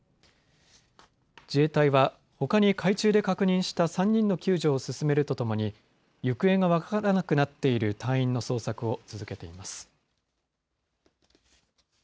自衛隊はほかに海中で確認した３人の救助を進めるとともに行方が分からなくなっている隊員の捜索を続けています。